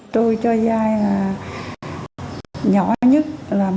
tôi cho giai nhỏ nhất là bà